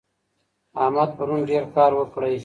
احمد پرون ډېر کار وکړی.